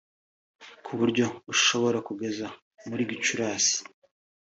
ku buryo ishobora kugeza muri Gicurasi